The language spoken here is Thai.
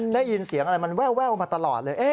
ได้ยินเสียงอะไรมันแววมาตลอดเลย